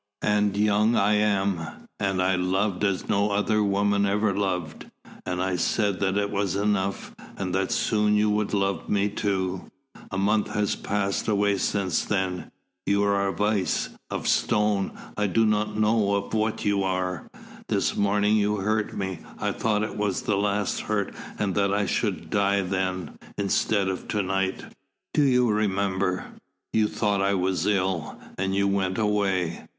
And young I am, and I loved as no woman ever loved. And I said that it was enough, and that soon you would love me, too. A month has passed away since then. You are of ice of stone I do not know of what you are. This morning you hurt me. I thought it was the last hurt and that I should die then instead of to night. Do you remember? You thought I was ill, and you went away.